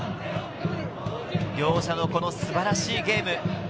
両者のこの素晴らしいゲーム。